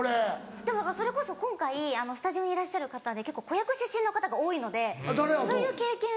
でもそれこそ今回スタジオにいらっしゃる方で結構子役出身の方が多いのでそういう経験。